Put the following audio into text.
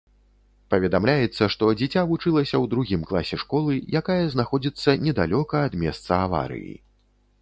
Паведамляецца, што дзіця вучылася ў другім класе школы, якая знаходзіцца недалёка ад месца аварыі.